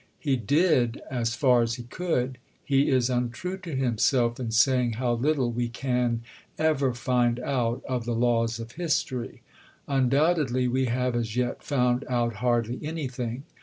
He did, as far as he could. He is untrue to himself in saying how little we can ever find out of the Laws of History. Undoubtedly we have as yet found out hardly anything.